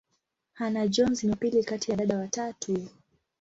Hannah-Jones ni wa pili kati ya dada watatu.